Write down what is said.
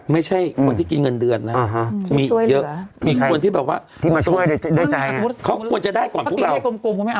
ไม่ใช่คนที่กินเงินเดือดนะมีอีกเยอะเค้าควรจะได้กว่าทุกเราที่ช่วยเหลือ